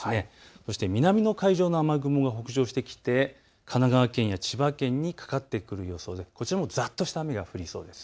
そして南の海上の雨雲が北上してきて神奈川県や千葉県にかかってくる予想でこちらもざっとした雨が降りそうです。